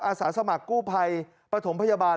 อาสาสมัครกู้ภัยปฐมพยาบาล